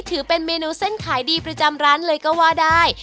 ถือเป็นเมนูเส้นขายดีประจำร้านเลยก็ว่าได้